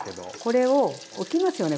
これを置きますよね